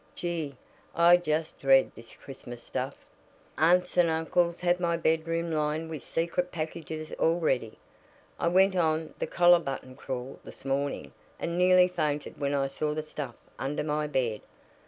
Gee I just dread this Christmas stuff. Aunts and uncles have my bedroom lined with 'secret packages' already. I went on the 'collar button crawl' this morning, and nearly fainted when I saw the stuff under my bed.